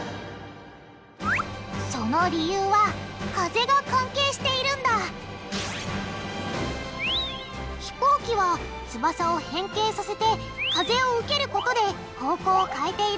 その理由は「風」が関係しているんだ飛行機は翼を変形させて風を受けることで方向を変えている。